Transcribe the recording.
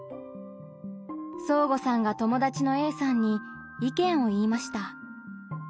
そーごさんが友達のＡさんに意見を言いました。